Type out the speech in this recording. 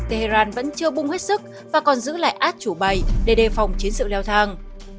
tehran vẫn chưa bung hết sức và còn giữ lại át chủ bay để đề phòng chiến sự leo thang